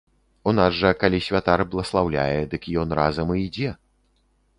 У нас жа, калі святар бласлаўляе, дык ён разам і ідзе.